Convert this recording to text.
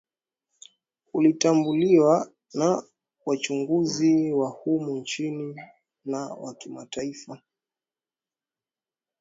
Ulitambuliwa na wachunguzi wa humu nchini na wa kimataifa